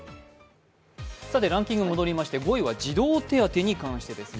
ランキング戻りまして、５位は児童手当に関してです。